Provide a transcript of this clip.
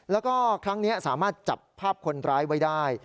แล้วก็ครั้งนี้สามารถจับภาพคนร้ายไว้ได้